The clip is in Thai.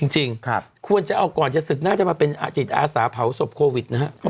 จริงควรจะเอาก่อนจะศึกน่าจะมาเป็นอาจิตอาสาเผาศพโควิดนะฮะ